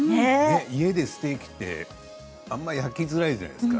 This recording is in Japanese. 家でステーキってあんまり焼きづらいじゃないですか。